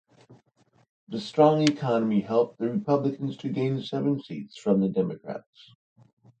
The strong economy helped the Republicans to gain seven seats from the Democrats.